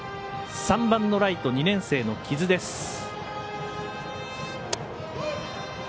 ３番のライト、２年生の木津です。